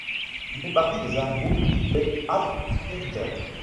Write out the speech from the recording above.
Il fait partie des hameaux des At Idjeur.